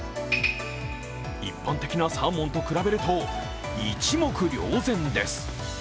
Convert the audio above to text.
一般的なサーモンと比べると、一目瞭然です。